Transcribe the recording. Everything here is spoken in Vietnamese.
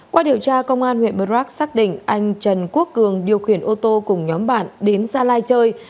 qua điều tra công an huyện murdrock xác định anh trần quốc cường điều khiển ô tô cùng nhóm bạn đến gia lai chơi